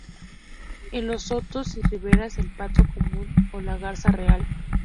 En los sotos y riberas, el pato común o la garza real.